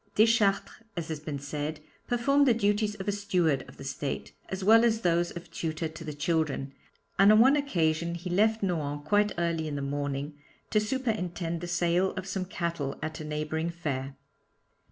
Deschartres, as has been said, performed the duties of a steward of the estate, as well as those of tutor to the children, and on one occasion he left Nohant quite early in the morning to superintend the sale of some cattle at a neighbouring fair.